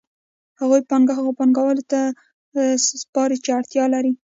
هغوی پانګه هغو پانګوالو ته سپاري چې اړتیا لري